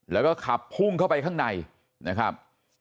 แล้วก็ขับพุ่งเข้าไปข้างในนะครับ